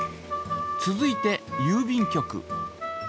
続いてゆう便局。